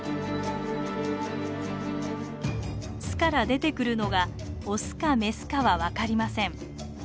巣から出てくるのがオスかメスかは分かりません。